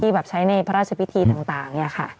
แบบใช้ในพระราชพิธีต่างเนี่ยค่ะ